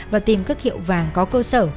và tìm các hiệu vàng có cơ sở